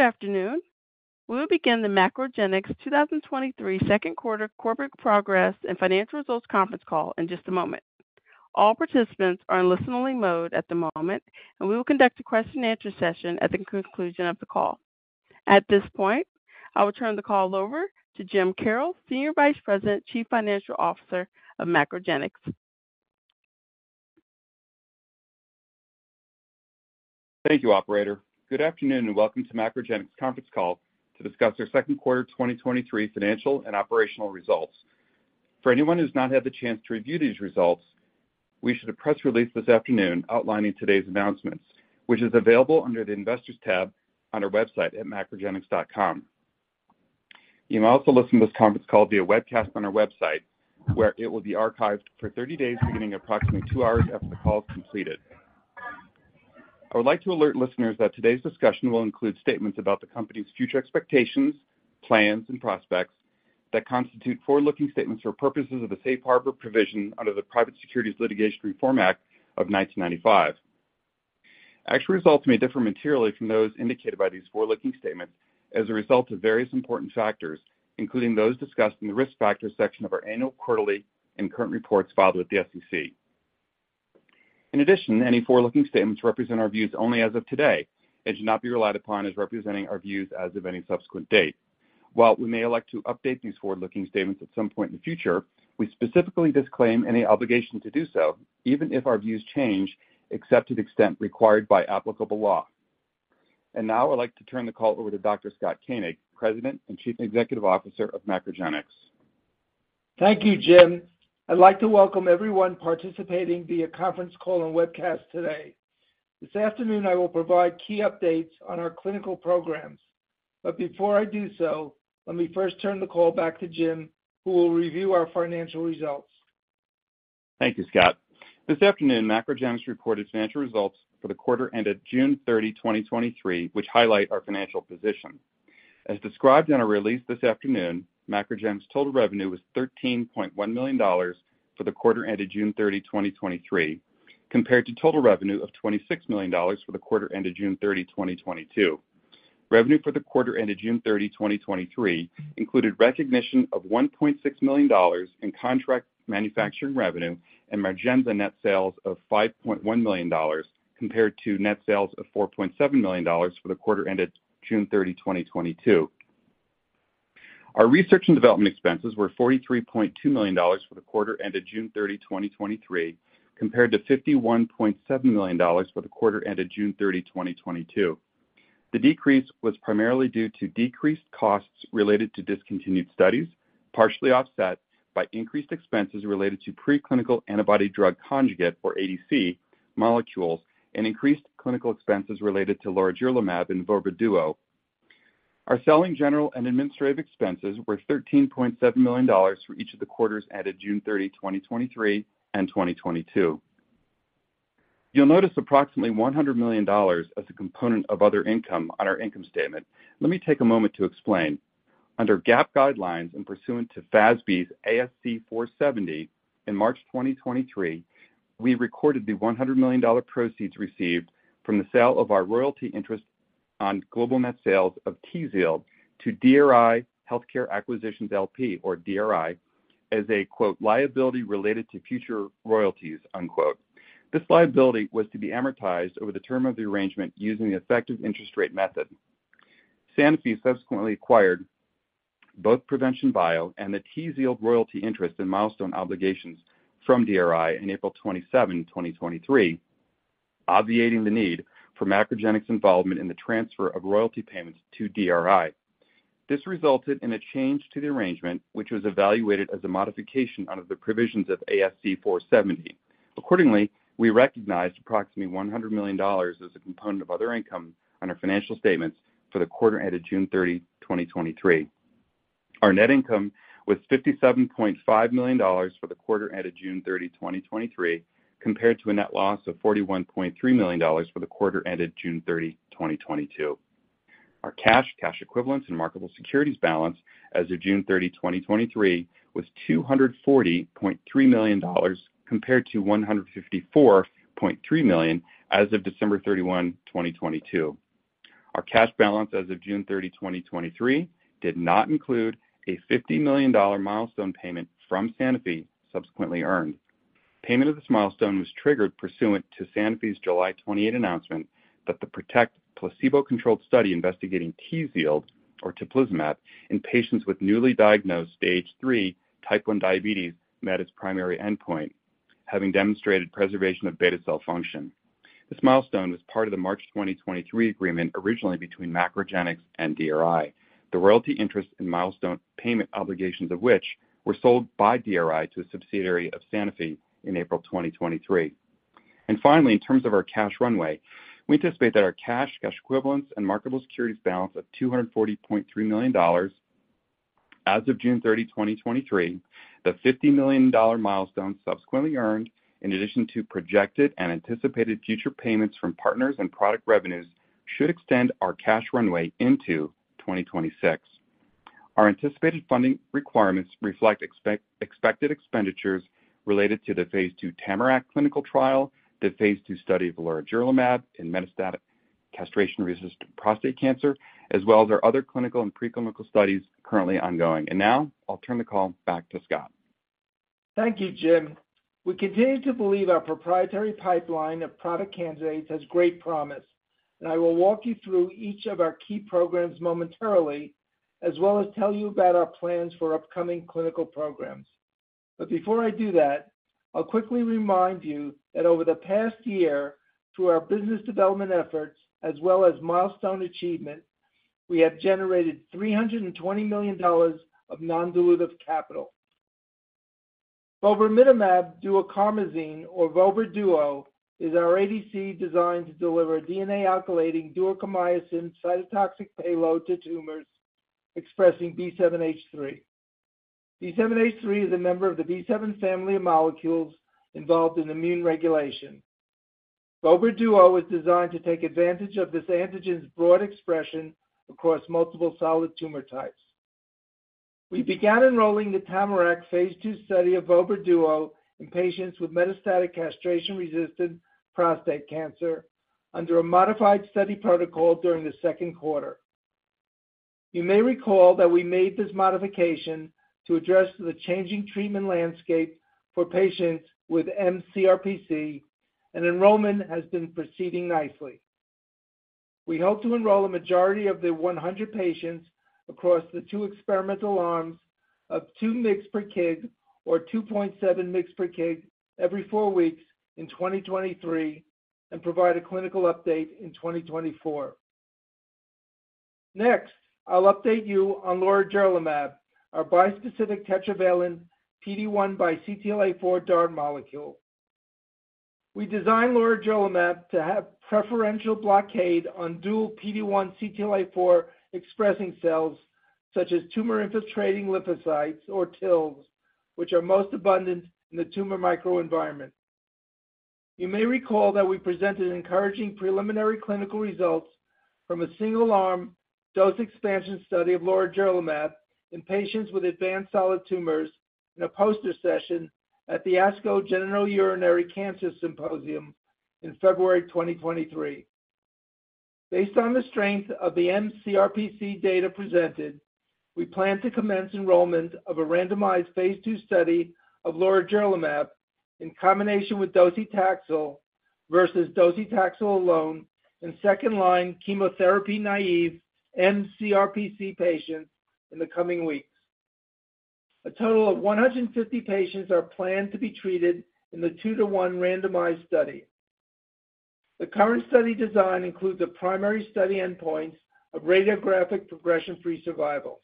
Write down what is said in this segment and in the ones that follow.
Good afternoon. We will begin the MacroGenics 2023 second quarter corporate progress and financial results conference call in just a moment. All participants are in listen-only mode at the moment, and we will conduct a question-and-answer session at the conclusion of the call. At this point, I will turn the call over to Jim Karrels, Senior Vice President, Chief Financial Officer of MacroGenics. Thank you, operator. Good afternoon, and welcome to MacroGenics conference call to discuss our second quarter 2023 financial and operational results. For anyone who's not had the chance to review these results, we issued a press release this afternoon outlining today's announcements, which is available under the Investors tab on our website at macrogenics.com. You may also listen to this conference call via webcast on our website, where it will be archived for 30 days, beginning approximately two hours after the call is completed. I would like to alert listeners that today's discussion will include statements about the company's future expectations, plans, and prospects that constitute forward-looking statements for purposes of the Safe Harbor provision under the Private Securities Litigation Reform Act of 1995. Actual results may differ materially from those indicated by these forward-looking statements as a result of various important factors, including those discussed in the Risk Factors section of our annual, quarterly, and current reports filed with the SEC. In addition, any forward-looking statements represent our views only as of today and should not be relied upon as representing our views as of any subsequent date. While we may elect to update these forward-looking statements at some point in the future, we specifically disclaim any obligation to do so, even if our views change, except to the extent required by applicable law. Now I'd like to turn the call over to Dr. Scott Koenig, President and Chief Executive Officer of MacroGenics. Thank you, Jim. I'd like to welcome everyone participating via conference call and webcast today. This afternoon, I will provide key updates on our clinical programs. Before I do so, let me first turn the call back to Jim, who will review our financial results. Thank you, Scott. This afternoon, MacroGenics reported financial results for the quarter ended June 30, 2023, which highlight our financial position. As described in our release this afternoon, MacroGenics' total revenue was $13.1 million for the quarter ended June 30, 2023, compared to total revenue of $26 million for the quarter ended June 30, 2022. Revenue for the quarter ended June 30, 2023, included recognition of $1.6 million in contract manufacturing revenue and Margenza net sales of $5.1 million, compared to net sales of $4.7 million for the quarter ended June 30, 2022. Our research and development expenses were $43.2 million for the quarter ended June 30, 2023, compared to $51.7 million for the quarter ended June 30, 2022. The decrease was primarily due to decreased costs related to discontinued studies, partially offset by increased expenses related to preclinical antibody drug conjugate, or ADC, molecules, and increased clinical expenses related to lorigerlimab and vobra duo. Our selling, general, and administrative expenses were $13.7 million for each of the quarters ended June 30, 2023 and 2022. You'll notice approximately $100 million as a component of other income on our income statement. Let me take a moment to explain. Under GAAP guidelines and pursuant to FASB's ASC 470, in March 2023, we recorded the $100 million proceeds received from the sale of our royalty interest on global net sales of TZIELD to DRI Healthcare Acquisitions, LP, or DRI, as a, quote, liability related to future royalties, unquote. This liability was to be amortized over the term of the arrangement using the effective interest rate method. Sanofi subsequently acquired both Provention Bio and the TZIELD royalty interest in milestone obligations from DRI in April 27, 2023, obviating the need for MacroGenics' involvement in the transfer of royalty payments to DRI. This resulted in a change to the arrangement, which was evaluated as a modification under the provisions of ASC 470. Accordingly, we recognized approximately $100 million as a component of other income on our financial statements for the quarter ended June 30, 2023. Our net income was $57.5 million for the quarter ended June 30, 2023, compared to a net loss of $41.3 million for the quarter ended June 30, 2022. Our cash, cash equivalents, and marketable securities balance as of June 30, 2023, was $240.3 million, compared to $154.3 million as of December 31, 2022. Our cash balance as of June 30, 2023, did not include a $50 million milestone payment from Sanofi subsequently earned. Payment of this milestone was triggered pursuant to Sanofi's July 28 announcement that the PROTECT placebo-controlled study investigating TZIELD, or teplizumab, in patients with newly diagnosed stage three Type 1 diabetes, met its primary endpoint, having demonstrated preservation of beta cell function. This milestone was part of the March 2023 agreement originally between MacroGenics and DRI, the royalty interest and milestone payment obligations of which were sold by DRI to a subsidiary of Sanofi in April 2023. Finally, in terms of our cash runway, we anticipate that our cash, cash equivalents, and marketable securities balance of $240.3 million as of June 30, 2023, the $50 million milestone subsequently earned, in addition to projected and anticipated future payments from partners and product revenues, should extend our cash runway into 2026. Our anticipated funding requirements reflect expected expenditures related to the Phase 2 TAMARACK clinical trial, the Phase 2 study of lorigerlimab in metastatic castration-resistant prostate cancer, as well as our other clinical and preclinical studies currently ongoing. Now, I'll turn the call back to Scott. Thank you, Jim. We continue to believe our proprietary pipeline of product candidates has great promise, and I will walk you through each of our key programs momentarily, as well as tell you about our plans for upcoming clinical programs. Before I do that, I'll quickly remind you that over the past year, through our business development efforts as well as milestone achievement, we have generated $320 million of non-dilutive capital. vobramitamab duocarmazine, or vobra duo, is our ADC designed to deliver DNA-alkylating duocarmycin cytotoxic payload to tumors expressing B7-H3. B7-H3 is a member of the B7 family of molecules involved in immune regulation. vobra duo is designed to take advantage of this antigen's broad expression across multiple solid tumor types. We began enrolling the TAMARACK Phase 2 study of vobra duo in patients with metastatic castration-resistant prostate cancer under a modified study protocol during the second quarter. You may recall that we made this modification to address the changing treatment landscape for patients with mCRPC, and enrollment has been proceeding nicely. We hope to enroll a majority of the 100 patients across the 2 experimental arms of 2 mg per kg or 2.7 mg per kg every 4 weeks in 2023 and provide a clinical update in 2024. I'll update you on lorigerlimab, our bispecific tetravalent PD-1 by CTLA-4 DAR molecule. We designed lorigerlimab to have preferential blockade on dual PD-1 CTLA-4 expressing cells, such as tumor-infiltrating lymphocytes, or TILs, which are most abundant in the tumor microenvironment. You may recall that we presented encouraging preliminary clinical results from a single-arm dose expansion study of lorigerlimab in patients with advanced solid tumors in a poster session at the ASCO Genitourinary Cancers Symposium in February 2023. Based on the strength of the mCRPC data presented, we plan to commence enrollment of a randomized phase 2 study of lorigerlimab in combination with docetaxel versus docetaxel alone in second-line chemotherapy, naive mCRPC patients in the coming weeks. A total of 150 patients are planned to be treated in the 2 to 1 randomized study. The current study design includes a primary study endpoint of radiographic progression-free survival.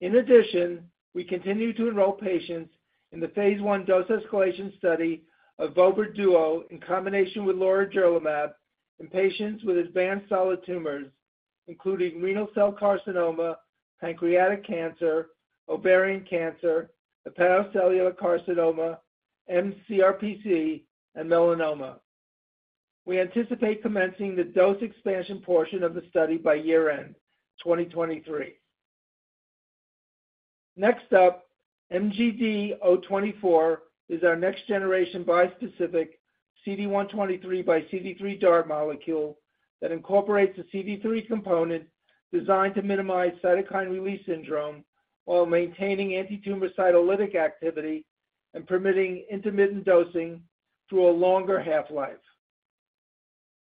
In addition, we continue to enroll patients in the phase 1 dose-escalation study of vobra duo in combination with lorigerlimab in patients with advanced solid tumors, including renal cell carcinoma, pancreatic cancer, ovarian cancer, hepatocellular carcinoma, mCRPC, and melanoma. We anticipate commencing the dose expansion portion of the study by year-end, 2023. Next up, MGD024 is our next-generation bispecific CD123 by CD3 DAR molecule that incorporates a CD3 component designed to minimize cytokine release syndrome while maintaining antitumor cytolytic activity and permitting intermittent dosing through a longer half-life.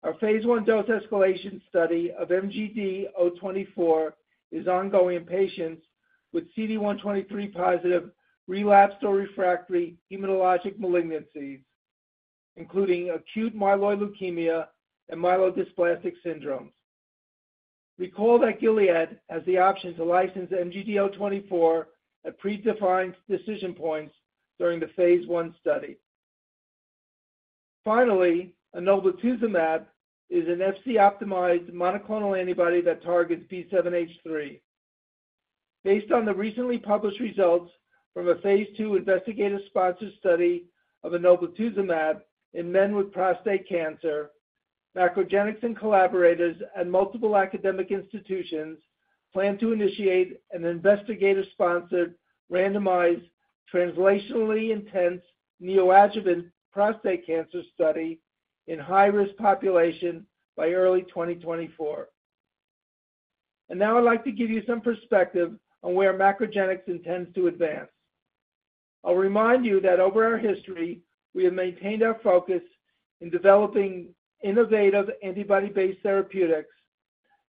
Our phase I dose escalation study of MGD024 is ongoing in patients with CD123-positive, relapsed or refractory hematologic malignancies, including acute myeloid leukemia and myelodysplastic syndromes. Recall that Gilead has the option to license MGD024 at predefined decision points during the phase I study. Finally, enoblutuzumab is an Fc-optimized monoclonal antibody that targets B7-H3. Based on the recently published results from a phase II investigator-sponsored study of enoblutuzumab in men with prostate cancer, MacroGenics and collaborators at multiple academic institutions plan to initiate an investigator-sponsored, randomized, translationally intense neoadjuvant prostate cancer study in high-risk population by early 2024. Now I'd like to give you some perspective on where MacroGenics intends to advance. I'll remind you that over our history, we have maintained our focus in developing innovative antibody-based therapeutics,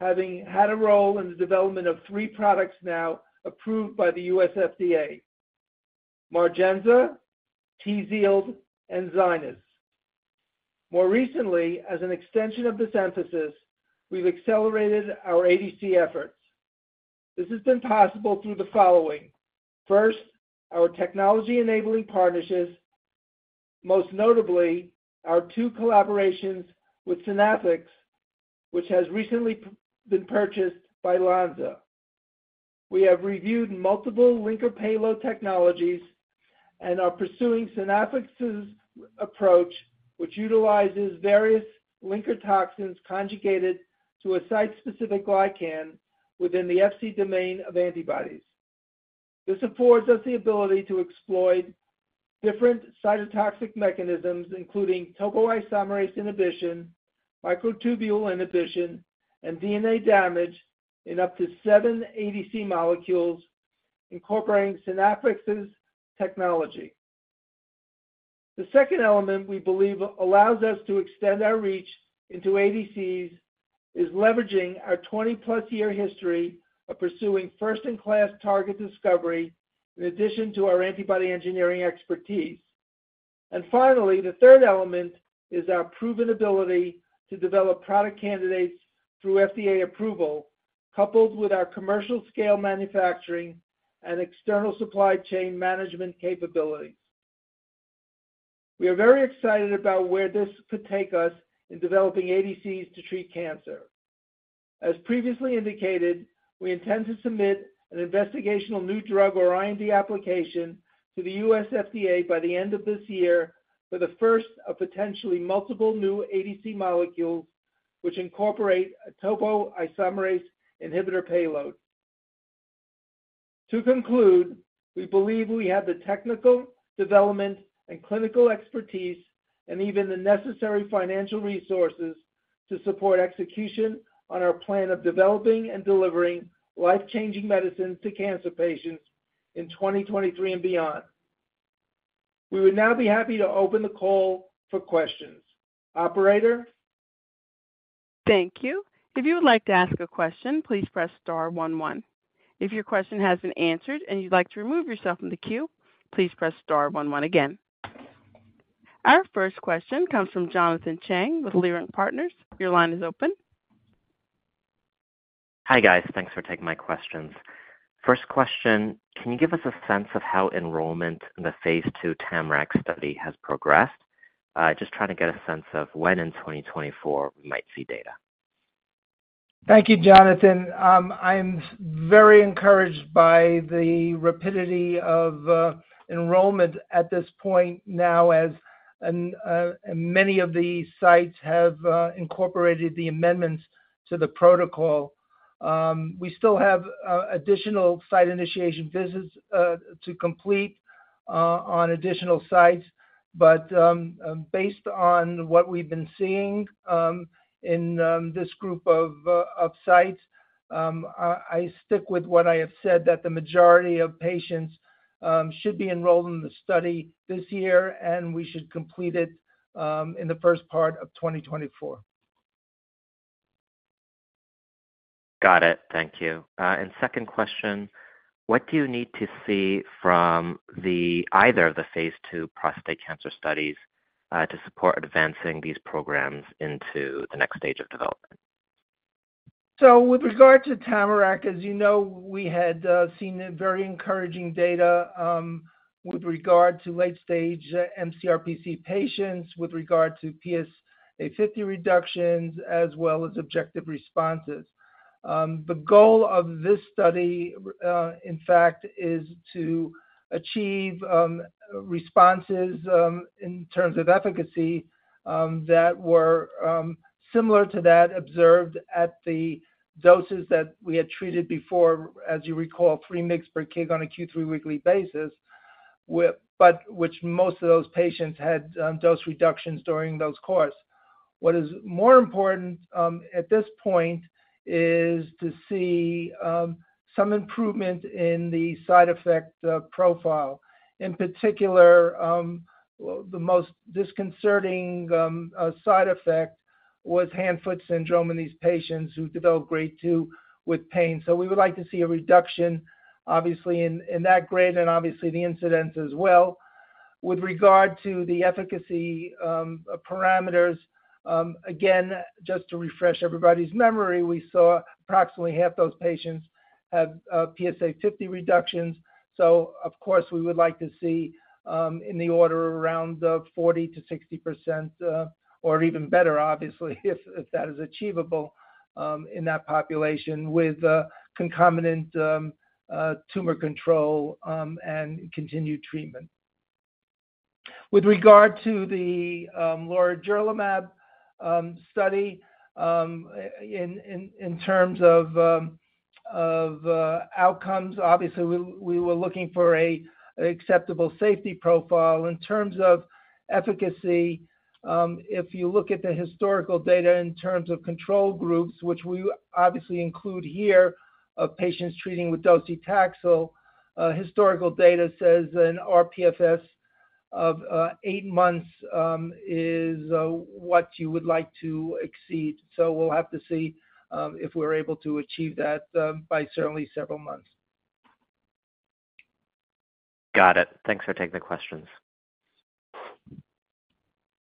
having had a role in the development of three products now approved by the U.S. FDA: Margenza, TZIELD, and Zynyz. More recently, as an extension of this emphasis, we've accelerated our ADC efforts. This has been possible through the following. First, our technology-enabling partnerships, most notably our two collaborations with Synaffix, which has recently been purchased by Lonza. We have reviewed multiple linker payload technologies and are pursuing Synaffix' approach, which utilizes various linker toxins conjugated to a site-specific glycan within the Fc domain of antibodies. This affords us the ability to exploit different cytotoxic mechanisms, including topoisomerase inhibition, microtubule inhibition, and DNA damage in up to seven ADC molecules incorporating Synaffix' technology. The second element we believe allows us to extend our reach into ADCs is leveraging our 20-plus-year history of pursuing first-in-class target discovery, in addition to our antibody engineering expertise. Finally, the third element is our proven ability to develop product candidates through FDA approval, coupled with our commercial scale manufacturing and external supply chain management capabilities. We are very excited about where this could take us in developing ADCs to treat cancer. As previously indicated, we intend to submit an investigational new drug or IND application to the U.S. FDA by the end of this year for the first of potentially multiple new ADC molecules, which incorporate a topoisomerase inhibitor payload. To conclude, we believe we have the technical development and clinical expertise, and even the necessary financial resources to support execution on our plan of developing and delivering life-changing medicines to cancer patients in 2023 and beyond. We would now be happy to open the call for questions. Operator? Thank you. If you would like to ask a question, please press star one, one. If your question has been answered and you'd like to remove yourself from the queue, please press star one one again. Our first question comes from Jonathan Chang with Leerink Partners. Your line is open. Hi, guys. Thanks for taking my questions. First question, can you give us a sense of how enrollment in the Phase 2 TAMARACK study has progressed? Just trying to get a sense of when in 2024 we might see data. Thank you, Jonathan. I'm very encouraged by the rapidity of enrollment at this point now, as many of the sites have incorporated the amendments to the protocol. We still have additional site initiation visits to complete on additional sites. Based on what we've been seeing, in this group of sites, I stick with what I have said, that the majority of patients should be enrolled in the study this year, and we should complete it in the first part of 2024. Got it. Thank you. 2nd question: What do you need to see from the, either of the Phase 2 prostate cancer studies, to support advancing these programs into the next stage of development? With regard to Tamarack, as you know, we had seen a very encouraging data with regard to late-stage mCRPC patients, with regard to PSA50 reductions, as well as objective responses. The goal of this study, in fact, is to achieve responses in terms of efficacy that were similar to that observed at the doses that we had treated before, as you recall, 3 mg/kg on a Q3W basis, but which most of those patients had dose reductions during those course. What is more important, at this point, is to see some improvement in the side effect profile. In particular, well, the most disconcerting side effect was hand-foot syndrome in these patients who developed Grade 2 with pain. We would like to see a reduction, obviously, in, in that grade and obviously the incidence as well. With regard to the efficacy parameters, again, just to refresh everybody's memory, we saw approximately half those patients have PSA50 reductions. Of course, we would like to see in the order of around 40%-60% or even better, obviously, if that is achievable, in that population with concomitant tumor control and continued treatment. With regard to the lorigerlimab study, in terms of outcomes, obviously, we were looking for an acceptable safety profile. In terms of efficacy, if you look at the historical data in terms of control groups, which we obviously include here, of patients treating with docetaxel, historical data says an RPFS of 8 months, is what you would like to exceed. We'll have to see, if we're able to achieve that, by certainly several months. Got it. Thanks for taking the questions.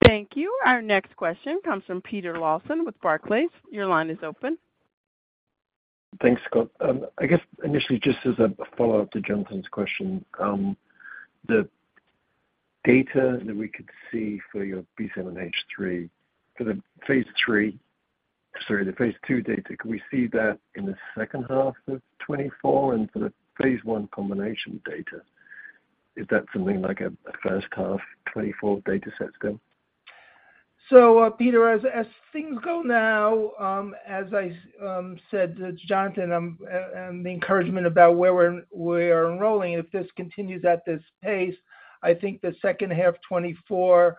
Thank you. Our next question comes from Peter Lawson with Barclays. Your line is open. Thanks, Scott. I guess initially, just as a follow-up to Jonathan's question, the data that we could see for your B7-H3 for the phase III-sorry, the phase 2 data, can we see that in the second half of 2024? For the phase 1 combination data, is that something like a first half 2024 data set go? Peter, as things go now, as I said to Jonathan, and the encouragement about where we are enrolling, if this continues at this pace, I think the second half 2024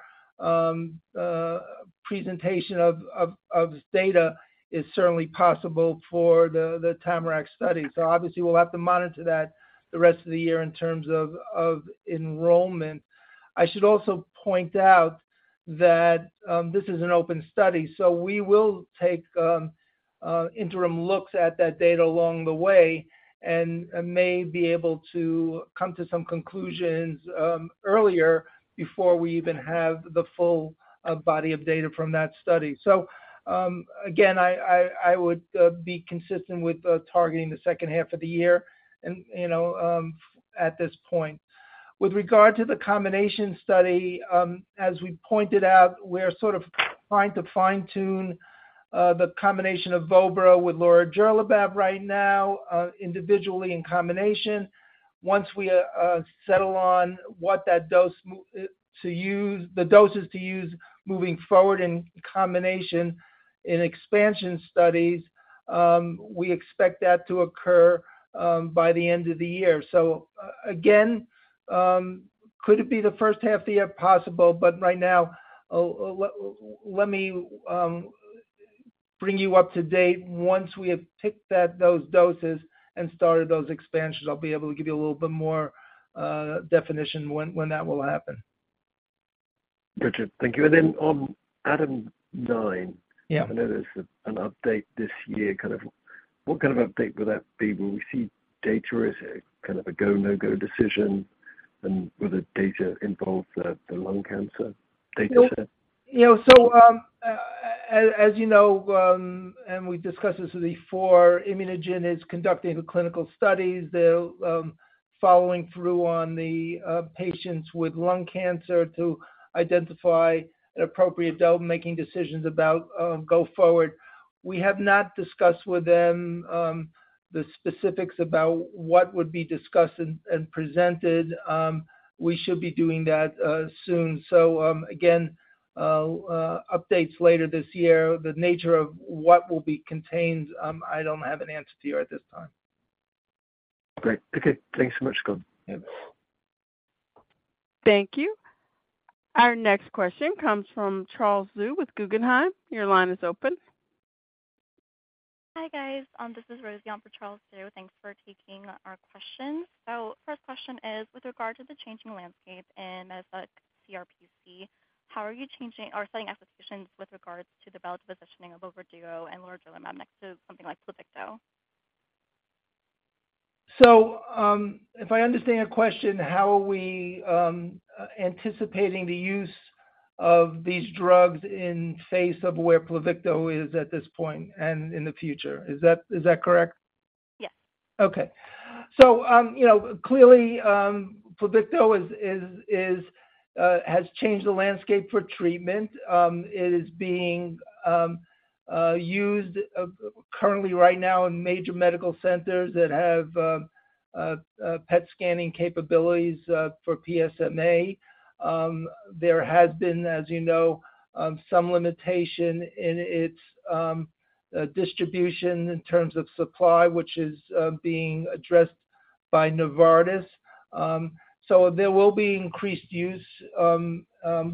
presentation of, of, of data is certainly possible for the TAMARACK study. Obviously, we'll have to monitor that the rest of the year in terms of enrollment. I should also point out that this is an open study, so we will take interim looks at that data along the way and, and may be able to come to some conclusions earlier before we even have the full body of data from that study. Again, I would be consistent with targeting the second half of the year and, you know, at this point. With regard to the combination study, as we pointed out, we're sort of trying to fine-tune the combination of vobra duo with lorigerlimab right now, individually in combination. Once we settle on what that dose to use, the doses to use moving forward in combination in expansion studies, we expect that to occur by the end of the year. Again, could it be the first half of the year? Possible. Right now, let me bring you up to date. Once we have picked that, those doses and started those expansions, I'll be able to give you a little bit more definition when that will happen. Gotcha. Thank you. On ADAM9- Yeah. I know there's an update this year. Kind of, what kind of update would that be? Will we see data or is it kind of a go, no-go decision? Will the data involve the, the lung cancer data set? You know, as you know, we've discussed this before, ImmunoGen is conducting the clinical studies. They're following through on the patients with lung cancer to identify an appropriate dose, making decisions about go forward. We have not discussed with them the specifics about what would be discussed and, and presented. We should be doing that soon. Again, updates later this year. The nature of what will be contained, I don't have an answer to you at this time. Great. Okay. Thanks so much, Scott. Thank you. Our next question comes from Charles Xu with Guggenheim. Your line is open. Hi, guys. This is Rosie on for Charles Xu. Thanks for taking our questions. First question is, with regard to the changing landscape in mCRPC, how are you changing or setting expectations with regards to the development positioning of vobra duo and lorigerlimab next to something like Pluvicto? If I understand your question, how are we anticipating the use of these drugs in face of where Pluvicto is at this point and in the future? Is that, is that correct? Yes. Okay. You know, clearly, Pluvicto is, is, is, has changed the landscape for treatment. It is being, used, currently right now in major medical centers that have, PET scanning capabilities, for PSMA. There has been, as you know, some limitation in its, distribution in terms of supply, which is, being addressed by Novartis. There will be increased use,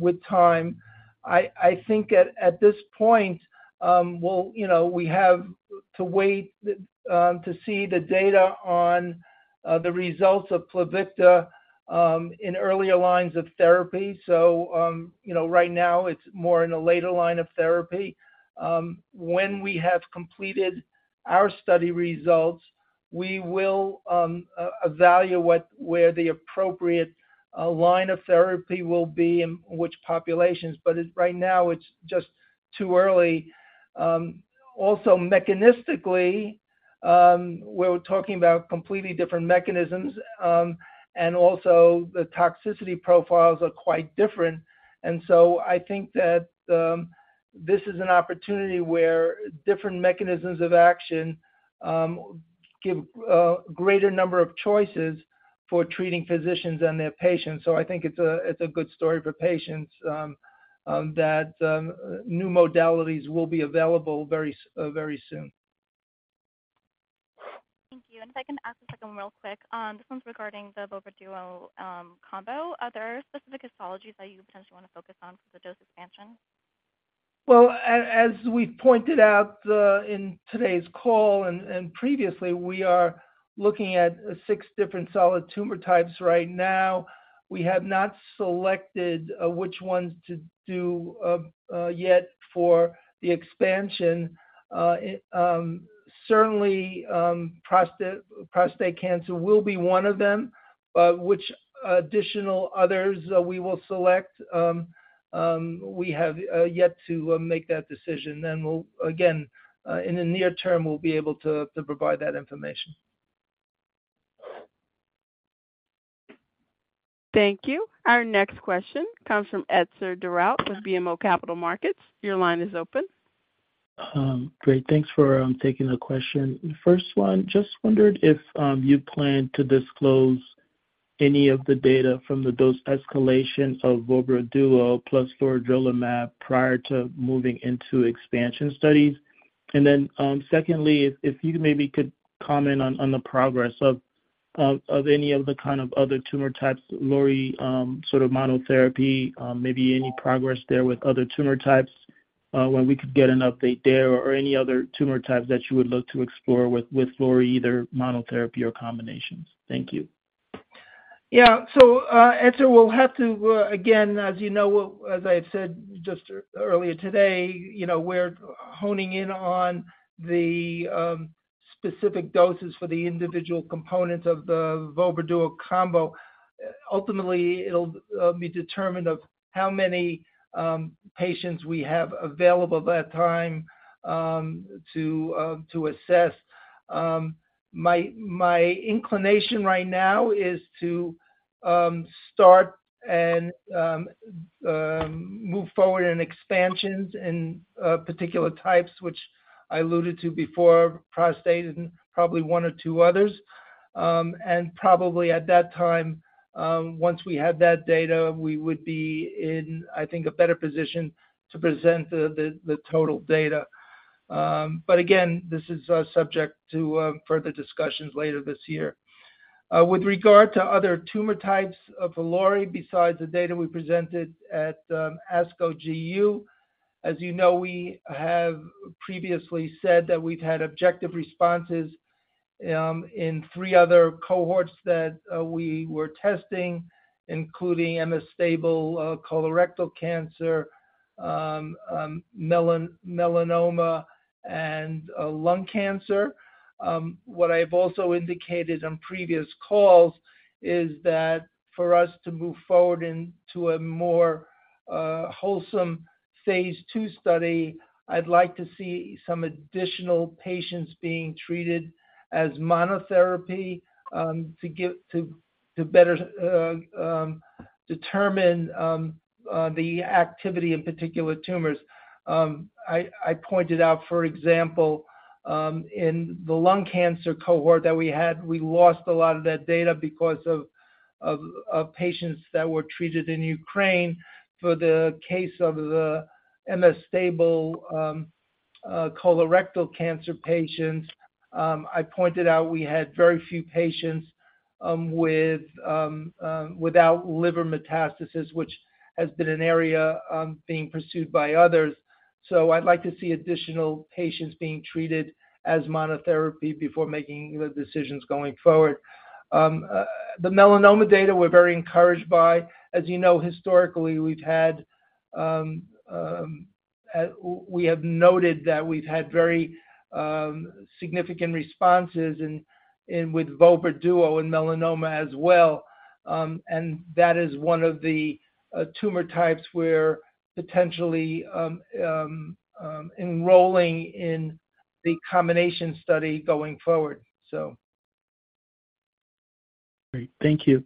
with time. I, I think at, at this point, we'll, you know, we have to wait, to see the data on, the results of Pluvicto, in earlier lines of therapy. You know, right now it's more in a later line of therapy. When we have completed our study results, we will e-evaluate what, where the appropriate line of therapy will be in which populations, but it, right now, it's just too early. Also mechanistically, we're talking about completely different mechanisms, and also the toxicity profiles are quite different. I think that this is an opportunity where different mechanisms of action give greater number of choices for treating physicians and their patients. I think it's a, it's a good story for patients, that new modalities will be available very soon. Thank you. If I can ask a second one real quick, this one's regarding the vobra duo combo. Are there specific histologies that you potentially wanna focus on for the dose expansion? Well, as we've pointed out, in today's call and, and previously, we are looking at 6 different solid tumor types right now. We have not selected which ones to do yet for the expansion. Certainly, prostate, prostate cancer will be one of them, but which additional others we will select, we have yet to make that decision. We'll, again, in the near term, we'll be able to, to provide that information. Thank you. Our next question comes from Etzer Darout with BMO Capital Markets. Your line is open. Great. Thanks for taking the question. The first one, just wondered if you plan to disclose any of the data from the dose escalations of vobra duo plus for lorigerlimab prior to moving into expansion studies? Secondly, if you maybe could comment on the progress of any of the kind of other tumor types, lori, sort of monotherapy, maybe any progress there with other tumor types, when we could get an update there, or any other tumor types that you would look to explore with lori, either monotherapy or combinations? Thank you. Etzer, we'll have to, again, as you know, as I had said just earlier today, you know, we're honing in on the specific doses for the individual components of the vobra duo combo. Ultimately, it'll be determined of how many patients we have available at that time, to assess. My, my inclination right now is to start and move forward in expansions in particular types, which I alluded to before, prostate and probably one or two others. And probably at that time, once we have that data, we would be in, I think, a better position to present the, the, the total data. But again, this is subject to further discussions later this year. With regard to other tumor types of lori, besides the data we presented at ASCO GU, as you know, we have previously said that we've had objective responses in three other cohorts that we were testing, including MS-stable colorectal cancer, melan- melanoma and lung cancer. What I've also indicated on previous calls is that for us to move forward into a more wholesome phase 2 study, I'd like to see some additional patients being treated as monotherapy, to give to, to better determine the activity in particular tumors. I, I pointed out, for example, in the lung cancer cohort that we had, we lost a lot of that data because of, of, of patients that were treated in Ukraine. For the case of the MS-stable colorectal cancer patients, I pointed out we had very few patients with without liver metastasis, which has been an area being pursued by others. I'd like to see additional patients being treated as monotherapy before making the decisions going forward. The melanoma data, we're very encouraged by. As you know, historically, we've had we have noted that we've had very significant responses in, in, with vobiduo and melanoma as well. That is one of the tumor types we're potentially enrolling in the combination study going forward, so. Great. Thank you.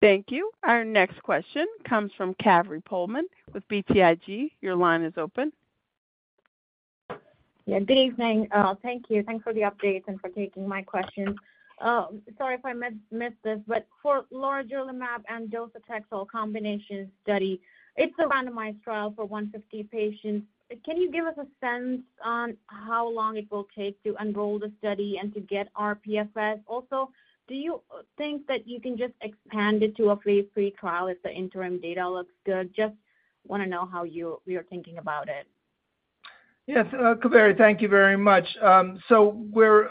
Thank you. Our next question comes from Kaveri Pohlman with BTIG. Your line is open. Yeah, good evening. Thank you. Thanks for the updates and for taking my questions. Sorry if I missed this, but for lorigerlimab and docetaxel combination study, it's a randomized trial for 150 patients. Can you give us a sense on how long it will take to enroll the study and to get RPFS? Also, do you think that you can just expand it to a phase 3 trial if the interim data looks good? Just wanna know how you're thinking about it. Yes, Kaveri, thank you very much. So we're,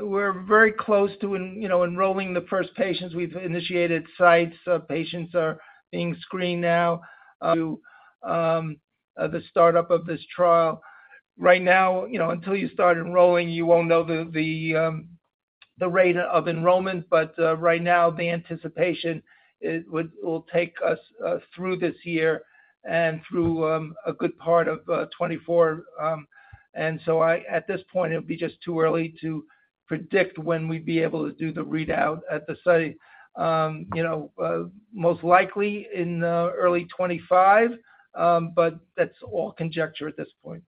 we're very close to you know, enrolling the first patients. We've initiated sites. Patients are being screened now, the startup of this trial. Right now, you know, until you start enrolling, you won't know the, the, the rate of enrollment, but right now, the anticipation will take us through this year and through a good part of 2024. So I, at this point, it'll be just too early to predict when we'd be able to do the readout at the study. You know, most likely in early 2025, but that's all conjecture at this point.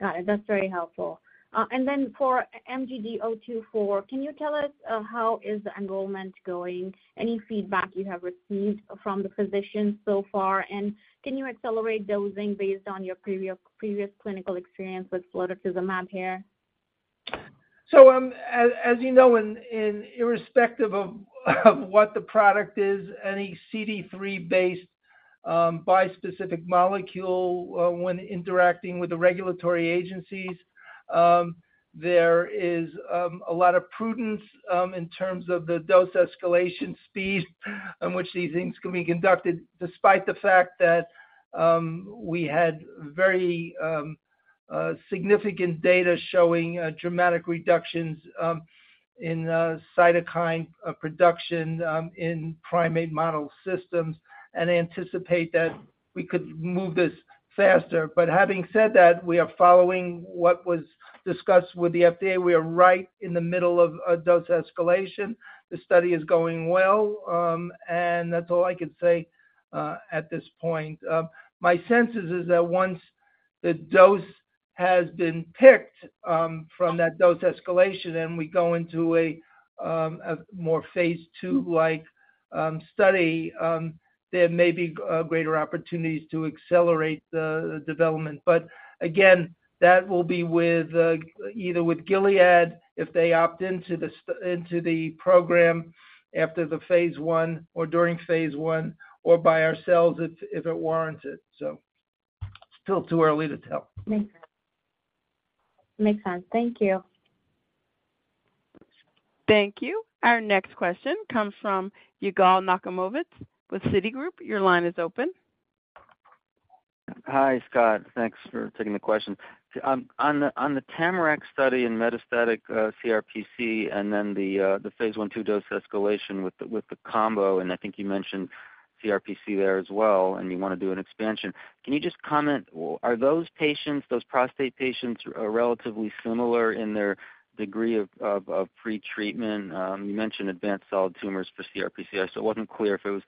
Got it. That's very helpful. Then for MGD024, can you tell us how is the enrollment going? Any feedback you have received from the physicians so far, can you accelerate dosing based on your previous clinical experience with flotetuzumab hair? As, as you know, in, in irrespective of, of what the product is, any CD3-based bispecific molecule, when interacting with the regulatory agencies, there is a lot of prudence in terms of the dose escalation speed on which these things can be conducted, despite the fact that we had very significant data showing dramatic reductions in cytokine production in primate model systems, and anticipate that we could move this faster. Having said that, we are following what was discussed with the FDA. We are right in the middle of a dose escalation. The study is going well, and that's all I can say at this point. My sense is, is that once the dose has been picked, from that dose escalation and we go into a, a more phase II like, study, there may be greater opportunities to accelerate the, the development. Again, that will be with, either with Gilead, if they opt into the program after the phase I or during phase I, or by ourselves if, if it warrants it. Still too early to tell. Makes sense. Thank you. Thank you. Our next question comes from Yigal Nochomovitz with Citigroup. Your line is open. Hi, Scott. Thanks for taking the question. On the, on the TAMARACK study in metastatic CRPC, and then the, the phase I/II dose escalation with the, with the combo, and I think you mentioned CRPC there as well, and you want to do an expansion. Can you just comment, are those patients, those prostate patients, are relatively similar in their degree of pretreatment? You mentioned advanced solid tumors for CRPC, I still wasn't clear if it was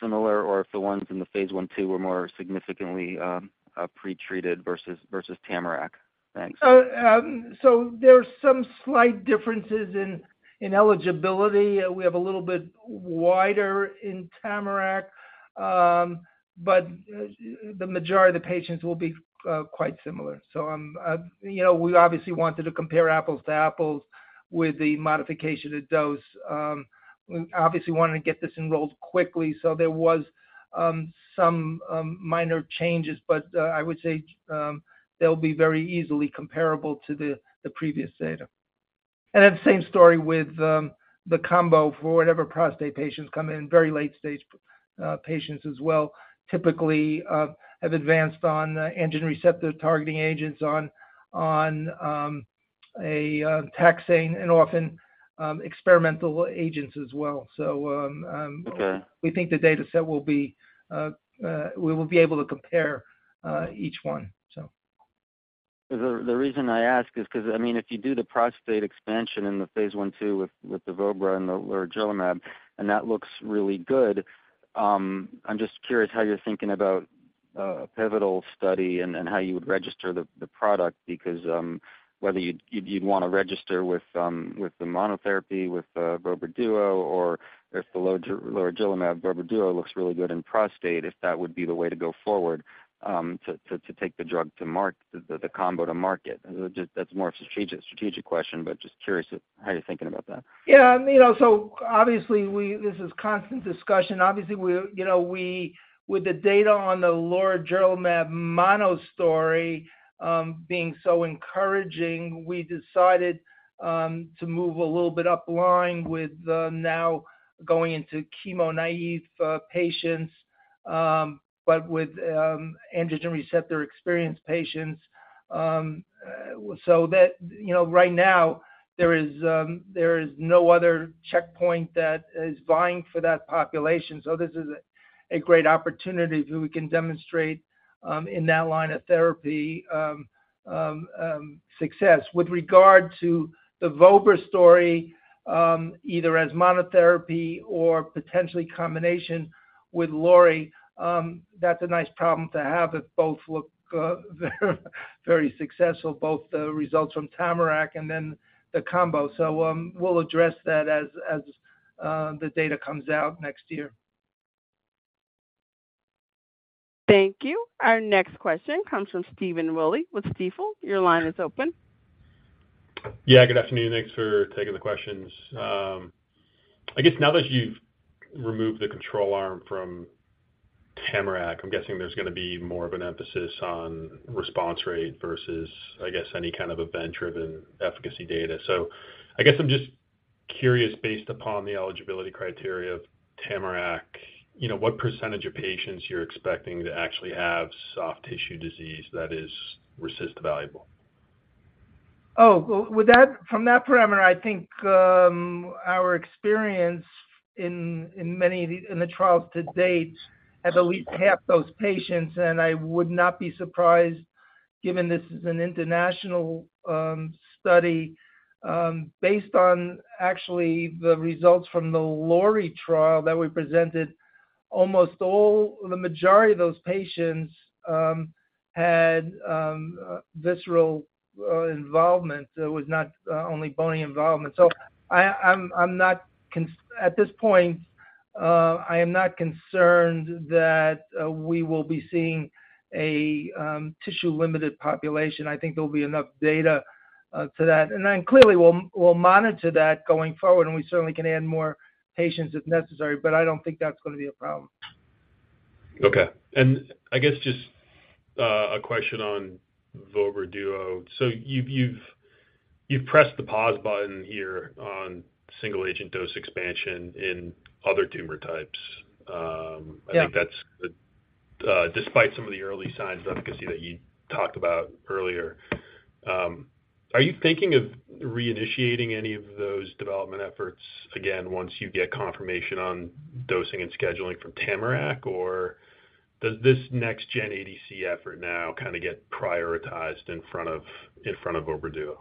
similar or if the ones in the phase I/II were more significantly pretreated versus TAMARACK. Thanks. There are some slight differences in, in eligibility. We have a little bit wider in TAMARACK, but the majority of the patients will be quite similar. You know, we obviously wanted to compare apples to apples with the modification of dose. We obviously wanted to get this enrolled quickly, so there was some minor changes, but I would say they'll be very easily comparable to the previous data. Then same story with the combo for whatever prostate patients come in, very late stage patients as well, typically have advanced on androgen receptor targeting agents on, on taxane and often experimental agents as well. Okay. We think the data set will be, we will be able to compare, each one, so. The, the reason I ask is 'cause, I mean, if you do the prostate expansion in the Phase I/II with, with the vobra and the larotrectinib, and that looks really good, I'm just curious how you're thinking about a pivotal study and, and how you would register the, the product, because whether you'd, you'd, you'd want to register with, with the monotherapy, with vobra duo, or if the larotrectinib vobra duo looks really good in prostate, if that would be the way to go forward, to, to, to take the drug to market, the, the combo to market. That's more of a strategic, strategic question, but just curious, how you're thinking about that. Yeah, you know, obviously this is constant discussion. Obviously, we, you know, with the data on the larotrectinib mono story, being so encouraging, we decided to move a little bit upline with now going into chemo-naïve patients, but with androgen receptor-experienced patients. That, you know, right now there is no other checkpoint that is vying for that population, so this is a great opportunity where we can demonstrate in that line of therapy success. With regard to the vobra story, either as monotherapy or potentially combination with lori, that's a nice problem to have, if both look very successful, both the results from TAMARACK and then the combo. We'll address that as the data comes out next year. Thank you. Our next question comes from Stephen Willey with Stifel. Your line is open. Yeah, good afternoon. Thanks for taking the questions. I guess now that you've removed the control arm from TAMARACK, I'm guessing there's gonna be more of an emphasis on response rate versus, I guess, any kind of event-driven efficacy data. I guess I'm just curious, based upon the eligibility criteria of TAMARACK, you know, what percentage of patients you're expecting to actually have soft tissue disease that is resist valuable? With that-- from that parameter, I think, our experience in, in many of the, in the trials to date, have at least half those patients, and I would not be surprised, given this is an international study, based on actually the results from the LORI trial that we presented, almost all, the majority of those patients had visceral involvement. It was not only bony involvement. I, I'm, I'm not at this point, I am not concerned that we will be seeing a tissue-limited population. I think there'll be enough data to that. Clearly, we'll, we'll monitor that going forward, and we certainly can add more patients if necessary, but I don't think that's gonna be a problem. Okay. I guess just a question on vobra duo. You've pressed the pause button here on single agent dose expansion in other tumor types. Yeah. I think that's, despite some of the early signs of efficacy that you talked about earlier, are you thinking of reinitiating any of those development efforts again, once you get confirmation on dosing and scheduling from TAMARACK? Or does this next Gen ADC effort now kind of get prioritized in front of, in front of vobra duo?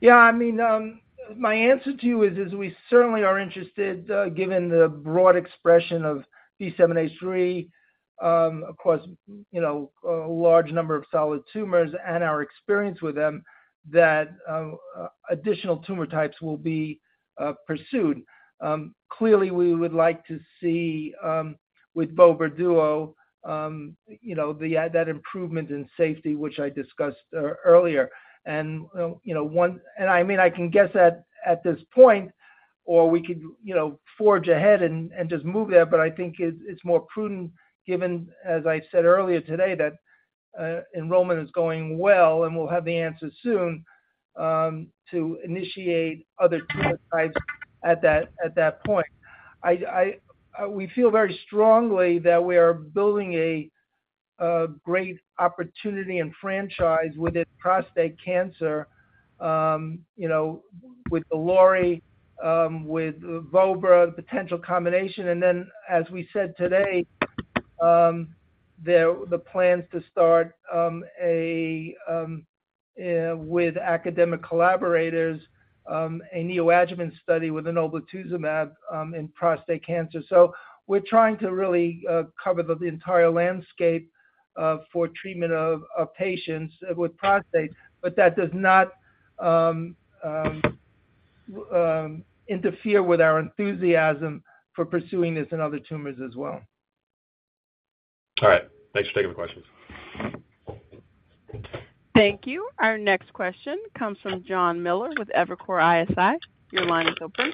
Yeah, I mean, my answer to you is, is we certainly are interested, given the broad expression of B7-H3, across, you know, a large number of solid tumors and our experience with them, that additional tumor types will be pursued. Clearly, we would like to see, with vobra duo, you know, the, that improvement in safety, which I discussed earlier. And, you know, one and I mean, I can guess that at this point, or we could, you know, forge ahead and, and just move that, but I think it's, it's more prudent, given, as I said earlier today, that enrollment is going well, and we'll have the answer soon, to initiate other types at that, at that point. We feel very strongly that we are building a great opportunity and franchise within prostate cancer, you know, with the LORI, with vobra duo, the potential combination. Then, as we said today, the plans to start a with academic collaborators, a neoadjuvant study with enoblituzumab, in prostate cancer. We're trying to really cover the entire landscape for treatment of patients with prostate, but that does not interfere with our enthusiasm for pursuing this in other tumors as well. All right. Thanks for taking the questions. Thank you. Our next question comes from Jonathan Miller with Evercore ISI. Your line is open.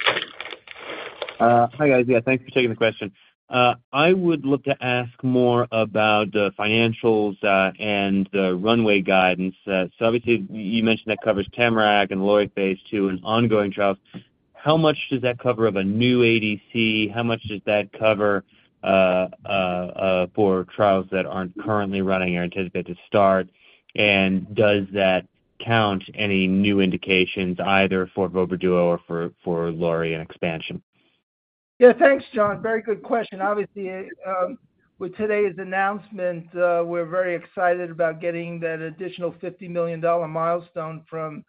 Hi, guys. Yeah, thanks for taking the question. I would look to ask more about the financials and the runway guidance. So obviously, you mentioned that covers TAMARACK and LORI phase 2 and ongoing trials. How much does that cover of a new ADC? How much does that cover for trials that aren't currently running or anticipated to start? And does that count any new indications, either for vobra duo or for LORI and expansion? Yeah. Thanks, Jon. Very good question. Obviously, with today's announcement, we're very excited about getting that additional $50 million milestone from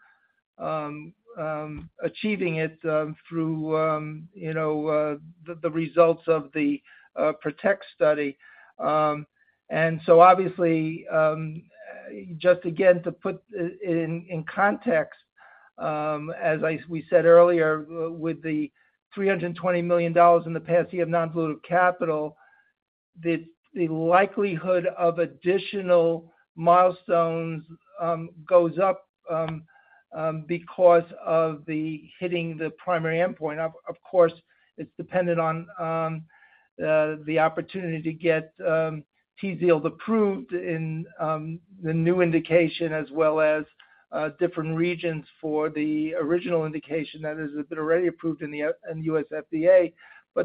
achieving it through, you know, the results of the PROTECT study. So obviously, just again, to put it in context, as we said earlier, with the $320 million in the passing of non-dilutive capital, the likelihood of additional milestones goes up because of the hitting the primary endpoint. Of course, it's dependent on the opportunity to get TZIELD approved in the new indication as well as different regions for the original indication that has been already approved in the U.S. FDA.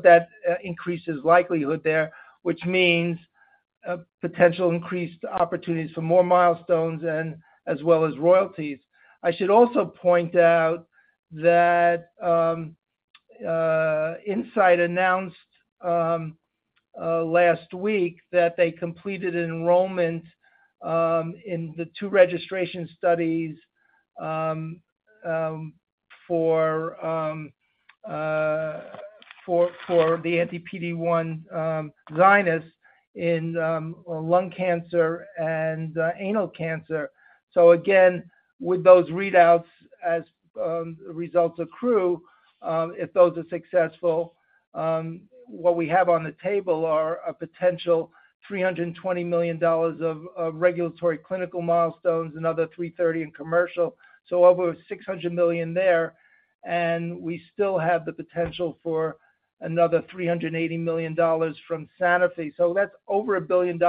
That increases likelihood there, which means a potential increased opportunities for more milestones and as well as royalties. I should also point out that Incyte announced last week that they completed enrollment in the two registration studies for the anti-PD-1 Zynyz in lung cancer and anal cancer. Again, with those readouts as results accrue, if those are successful, what we have on the table are a potential $320 million of regulatory clinical milestones, another $330 million in commercial, so over $600 million there, and we still have the potential for another $380 million from Sanofi. That's over $1 billion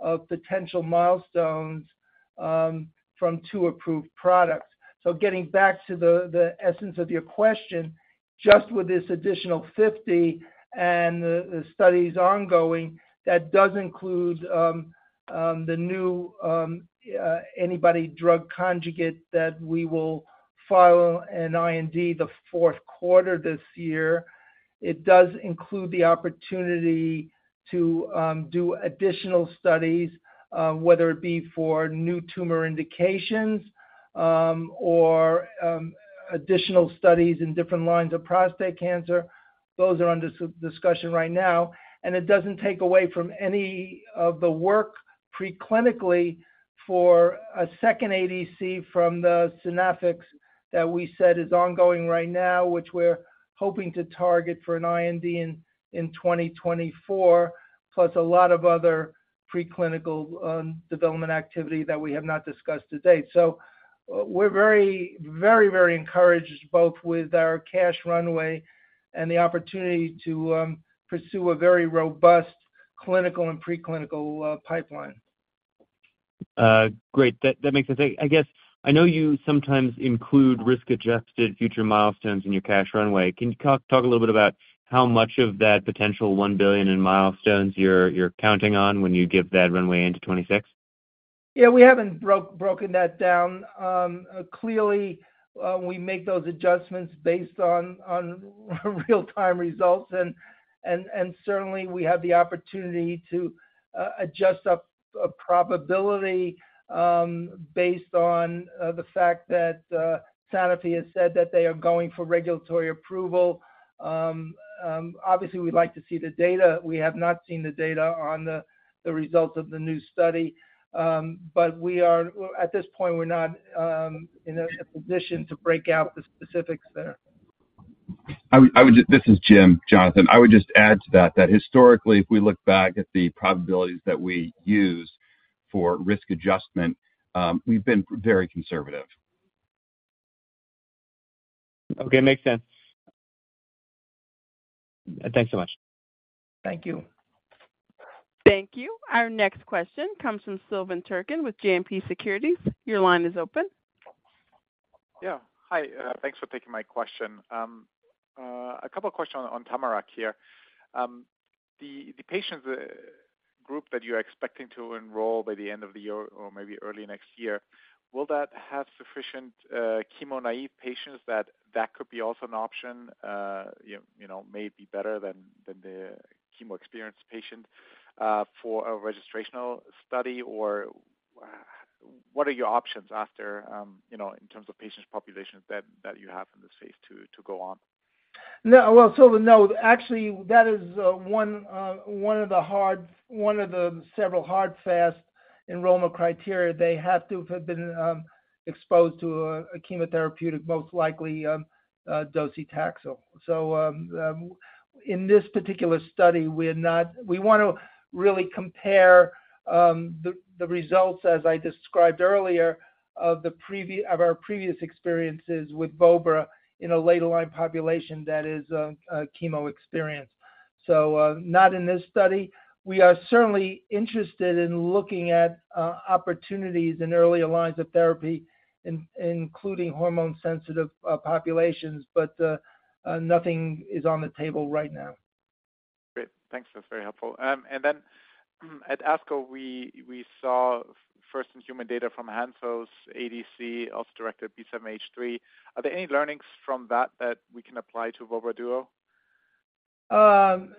of potential milestones from two approved products. Getting back to the essence of your question, just with this additional 50 and the studies ongoing, that does include the new antibody drug conjugate that we will file an IND the fourth quarter this year. It does include the opportunity to do additional studies, whether it be for new tumor indications, or additional studies in different lines of prostate cancer. Those are under discussion right now, and it doesn't take away from any of the work preclinically for a second ADC from the Synaffix that we said is ongoing right now, which we're hoping to target for an IND in 2024, plus a lot of other preclinical development activity that we have not discussed to date. We're very, very, very encouraged, both with our cash runway and the opportunity to pursue a very clinical and preclinical pipeline. Great. That makes sense. I guess, I know you sometimes include risk-adjusted future milestones in your cash runway. Can you talk a little bit about how much of that potential $1 billion in milestones you're counting on when you give that runway into 2026? Yeah, we haven't broken that down. Clearly, we make those adjustments based on, on real time results, and certainly, we have the opportunity to adjust up a probability based on the fact that Sanofi has said that they are going for regulatory approval. Obviously, we'd like to see the data. We have not seen the data on the results of the new study. At this point, we're not in a position to break out the specifics there. I would just... This is Jim, Jonathan. I would just add to that, that historically, if we look back at the probabilities that we use for risk adjustment, we've been very conservative. Okay, makes sense. Thanks so much. Thank you. Thank you. Our next question comes from Silvan Tuerkcan with JMP Securities. Your line is open. Yeah. Hi, thanks for taking my question. A couple of questions on TAMARACK here. The patients group that you're expecting to enroll by the end of the year or maybe early next year, will that have sufficient chemo-naive patients, that could be also an option, you know, you know, maybe better than the chemo-experienced patient for a registrational study? Or, what are your options after, you know, in terms of patient populations that you have in this Phase 2 to go on? No. Well, Silvan, no, actually, that is one of the several hard, fast enrollment criteria. They have to have been exposed to a chemotherapeutic, most likely, docetaxel. In this particular study, we want to really compare the results, as I described earlier, of our previous experiences with vobra duo in a later-line population that is chemo-experienced. Not in this study. We are certainly interested in looking at opportunities in earlier lines of therapy, including hormone-sensitive populations, but nothing is on the table right now. Great. Thanks. That's very helpful. Then, at ASCO, we saw first, in human data from Hansoh's ADC, also directed B7-H3. Are there any learnings from that that we can apply to vobra duo?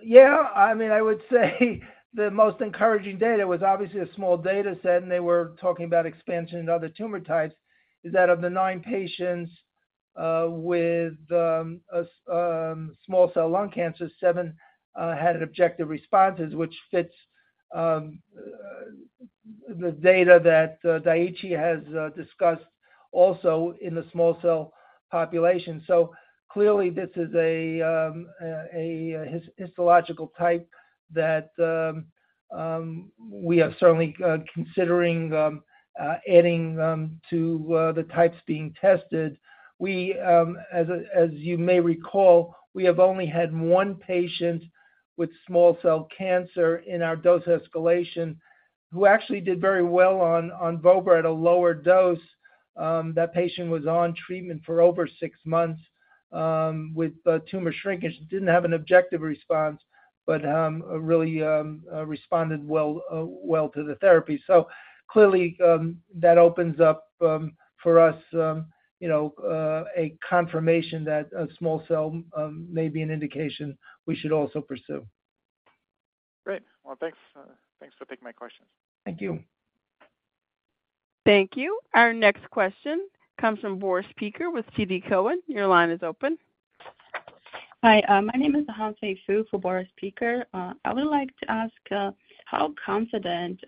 Yeah. I mean, I would say the most encouraging data was obviously a small data set, and they were talking about expansion in other tumor types, is that of the 9 patients with small cell lung cancer, 7 had an objective responses, which fits the data that Daiichi Sankyo has discussed also in the small cell population. So clearly, this is a histological type that we are certainly considering adding to the types being tested. We, as you may recall, we have only had one patient with small cell cancer in our dose escalation, who actually did very well on vobra duo at a lower dose. That patient was on treatment for over 6 months, with tumor shrinkage, didn't have an objective response, but really responded well to the therapy. Clearly, that opens up for us, you know, a confirmation that a small cell may be an indication we should also pursue. Great. Well, thanks. Thanks for taking my questions. Thank you. Thank you. Our next question comes from Boris Peaker with TD Cowen. Your line is open. Hi, my name is Hangfei Fu for Boris Peaker. I would like to ask, how confident,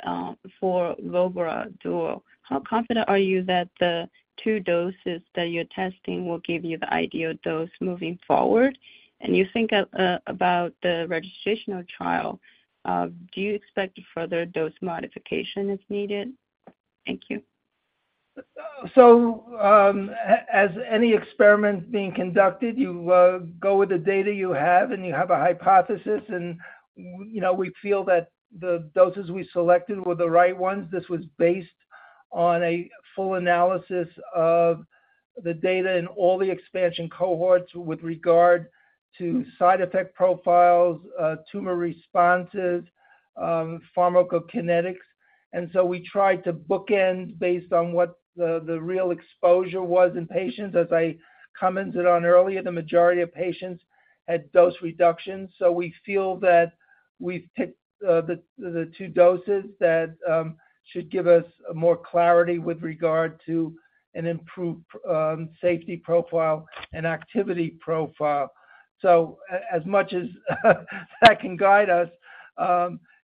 for Vobra Duo, how confident are you that the 2 doses that you're testing will give you the ideal dose moving forward? And you think, about the registrational trial, do you expect further dose modification is needed? Thank you. As any experiment being conducted, you go with the data you have, and you have a hypothesis, and, you know, we feel that the doses we selected were the right ones. This was based on a full analysis of the data in all the expansion cohorts with regard to side effect profiles, tumor responses, pharmacokinetics. We tried to bookend based on what the, the real exposure was in patients. As I commented on earlier, the majority of patients had dose reductions, so we feel that we've picked the two doses that should give us more clarity with regard to an improved safety profile and activity profile. As much as that can guide us,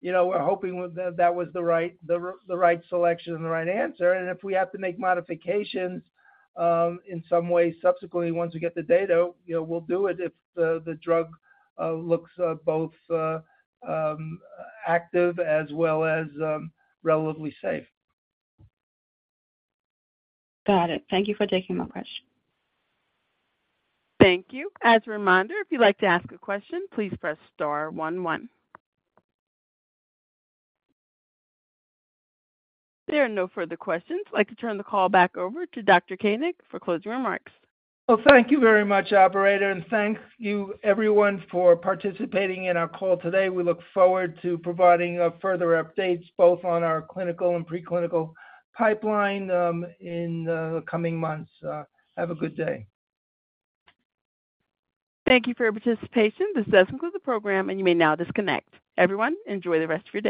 you know, we're hoping that that was the right, the right selection and the right answer. If we have to make modifications, in some way subsequently, once we get the data, you know, we'll do it if the drug looks both active as well as relatively safe. Got it. Thank you for taking my question. Thank you. As a reminder, if you'd like to ask a question, please press star one, one. There are no further questions. I'd like to turn the call back over to Dr. Koenig for closing remarks. Well, thank you very much, operator, and thank you everyone for participating in our call today. We look forward to providing further updates both on our clinical and preclinical pipeline in the coming months. Have a good day. Thank you for your participation. This does conclude the program, and you may now disconnect. Everyone, enjoy the rest of your day.